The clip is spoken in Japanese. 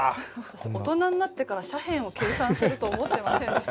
大人になってから斜辺を計算すると思ってませんでした。